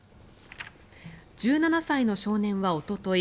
１７歳の少年はおととい